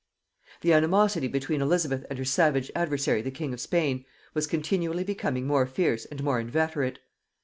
The animosity between Elizabeth and her savage adversary the king of Spain was continually becoming more fierce and more inveterate.